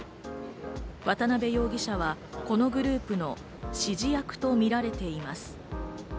渡辺容疑者はこのグループの指示役とみられています。